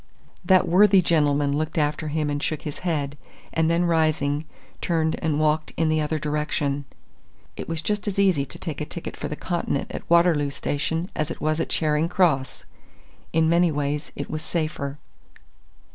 That worthy gentleman looked after him and shook his head, and then rising, turned and walked in the other direction. It was just as easy to take a ticket for the Continent at Waterloo station as it was at Charing Cross. In many ways it was safer.